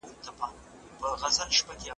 دنګه ونه لکه غروي هره تيږه یې منبر وي ,